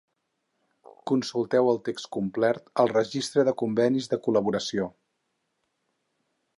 Consulteu el text complet al Registre de convenis de col·laboració.